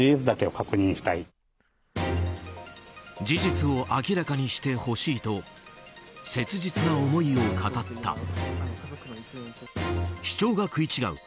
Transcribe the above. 事実を明らかにしてほしいと切実な思いを語った。